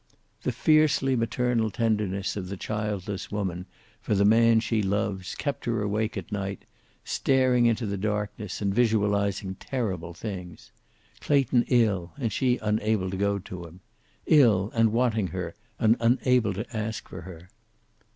The fiercely, maternal tenderness of the childless woman for the man she loves kept her awake at night staring into the darkness and visualizing terrible things. Clayton ill, and she unable to go to him. Ill, and wanting her, and unable to ask for her.